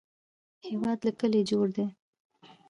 هېواد له کلیو جوړ دی